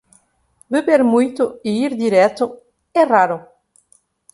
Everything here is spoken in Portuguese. Beber muito e ir direto é raro.